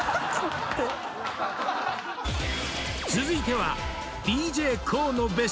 ［続いては］